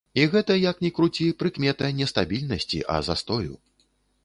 І гэта, як ні круці, прыкмета не стабільнасці, а застою.